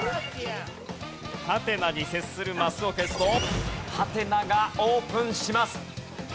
ハテナに接するマスを消すとハテナがオープンします。